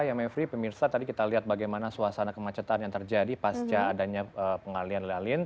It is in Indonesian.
ya mevri pemirsa tadi kita lihat bagaimana suasana kemacetan yang terjadi pasca adanya pengalian lalin